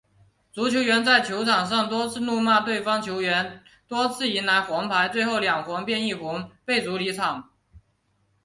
足球员在球场上多次怒骂对方球员，多次迎来黄牌，最后两黄变一红，被逐离场。